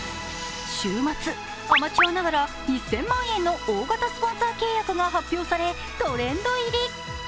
週末アマチュアながら１０００万円の大型スポンサー契約が発表され、トレンド入り。